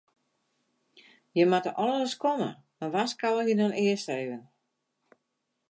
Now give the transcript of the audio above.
Jimme moatte al ris komme, mar warskôgje dan earst efkes.